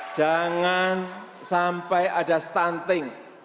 jangan sampai ada stunting